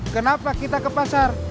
kenapa kita ke pasar